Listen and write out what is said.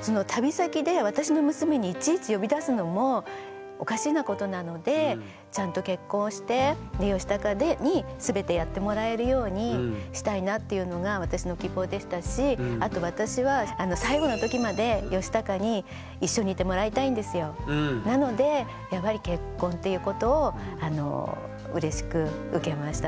その旅先で私の娘にいちいち呼び出すのもおかしなことなのでちゃんと結婚してヨシタカに全てやってもらえるようにしたいなというのが私の希望でしたしあと私はなのでやっぱり結婚っていうことをあのうれしく受けましたね。